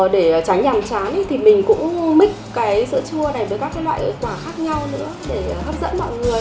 để tránh nhằm chán thì mình cũng mix sữa chua này với các loại quả khác nhau nữa để hấp dẫn mọi người